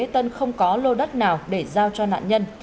tân không có lô đất nào để giao cho nạn nhân